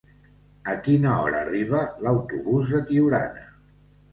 A quina hora arriba l'autobús de Tiurana?